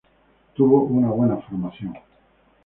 Tuvo una buena formación.